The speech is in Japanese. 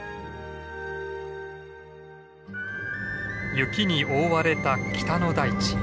雪に覆われた北の大地。